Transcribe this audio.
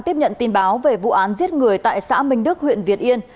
tiếp nhận tin báo về vụ án giết người tại xã minh đức huyện việt yên